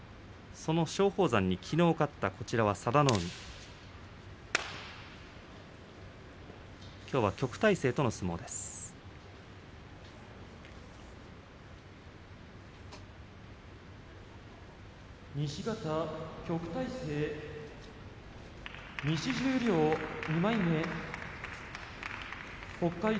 その松鳳山にきのう勝った佐田の海きょうの対戦相手は旭大星です。